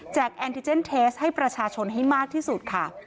แอนติเจนเทสให้ประชาชนให้มากที่สุดค่ะ